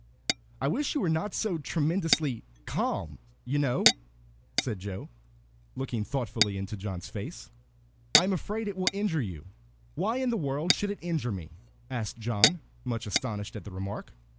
"I wish you were not so tremendously calm, you know," said Joe, looking thoughtfully into John's face. "I am afraid it will injure you." "Why in the world should it injure me?" asked John, much astonished at the remark.